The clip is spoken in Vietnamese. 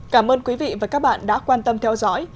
cảm ơn quý vị và các bạn đã quan tâm theo dõi